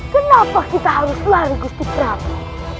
kenapa kita harus lari gusti prabu